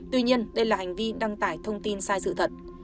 tuy nhiên đây là hành vi đăng tải thông tin sai sự thật